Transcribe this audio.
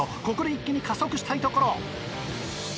ここで一気に加速したいところ。